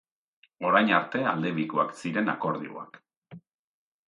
Orain arte aldebikoak ziren akordioak.